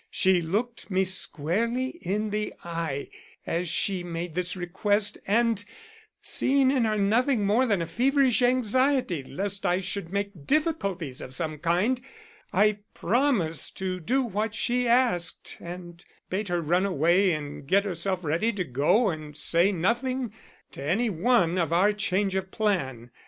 She looked me squarely in the eye as she made this request and, seeing in her nothing more than a feverish anxiety lest I should make difficulties of some kind, I promised to do what she asked and bade her run away and get herself ready to go and say nothing to any one of our change of plan.